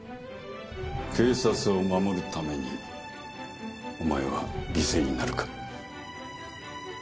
警察を守るためにお前は犠牲になるか。